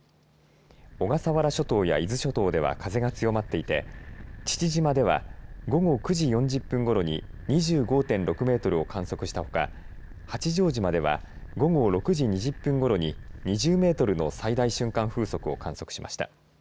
小笠原諸島や伊豆諸島では風が強まっていて父島では午後９時４０分ごろに２５．６メートルを観測したほか八丈島では午後６時２０分ごろに２０メートルの最大瞬間風速を観測しました。